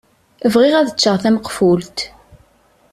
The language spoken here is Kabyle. Bɣiɣ ad ččeɣ tameqfunt.